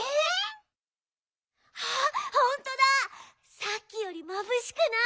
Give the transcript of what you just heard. さっきよりまぶしくない。